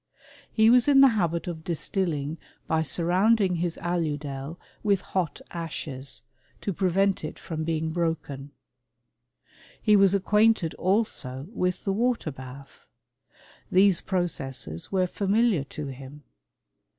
He was in the habit of distilling by surrounding his ahidel 'with hot ashes, to prevent it from being broken. He was ac quainted also with the water bath. These processes were familiar to him.